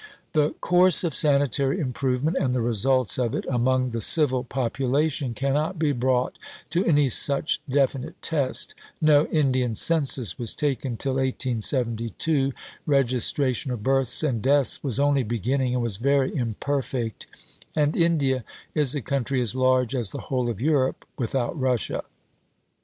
The course of sanitary improvement, and the results of it, among the civil population cannot be brought to any such definite test; no Indian census was taken till 1872, registration of births and deaths was only beginning and was very imperfect; and India is a country as large as the whole of Europe (without Russia).